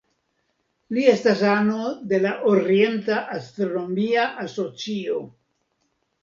Li estas ano de la Orienta Astronomia Asocio.